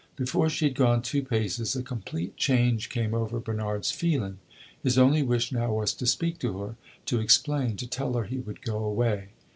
Before she had gone two paces a complete change came over Bernard's feeling; his only wish now was to speak to her to explain to tell her he would go away.